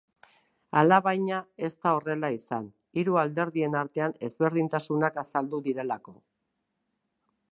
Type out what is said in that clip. Alabaina, ez da horrela izan, hiru alderdien artean ezberdintasunak azaldu direlako.